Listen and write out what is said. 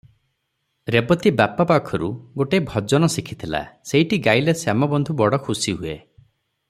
ରେବତୀ ବାପା ପାଖରୁ ଗୋଟିଏ ଭଜନ ଶିଖିଥିଲା ସେଇଟି ଗାଇଲେ ଶ୍ୟାମବନ୍ଧୁ ବଡ଼ ଖୁସି ହୁଏ ।